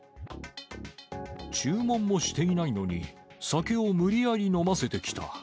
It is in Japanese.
注文もしていないのに、酒を無理やり飲ませてきた。